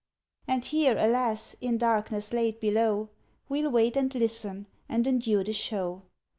"And here, alas, in darkness laid below, We'll wait and listen, and endure the show